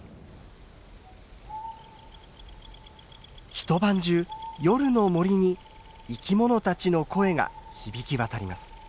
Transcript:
一晩中夜の森に生き物たちの声が響き渡ります。